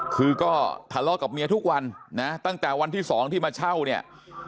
คือก็ทะเลาะกับเมียทุกวันนะตั้งแต่วันที่๒ที่มาเช่าเนี่ย